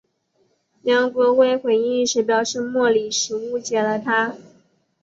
梁国辉回应时表示莫礼时误解了他。